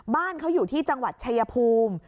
บ้านเขาอยู่ที่จังหวัดชายภูมิ